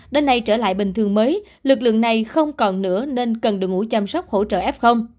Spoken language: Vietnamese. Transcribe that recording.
đến nay trở lại bình thường mới lực lượng này không còn nữa nên cần đội ngũ chăm sóc hỗ trợ f